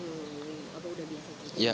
apa udah biasa